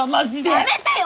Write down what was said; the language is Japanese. やめてよ